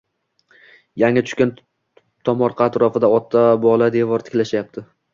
Yangi tushgan tomorqa atrofida ota-bola devor tiklashayapti.